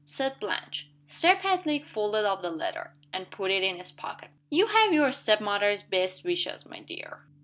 said Blanche. Sir Patrick folded up the letter, and put it in his pocket. "You have your step mother's best wishes, my dear."